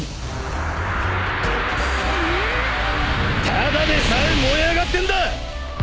ただでさえ燃え上がってんだ！